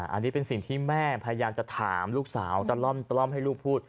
อันนี้เป็นสิ่งที่แม่พยายามจะถามลูกสาวตะล่อมให้ลูกพูด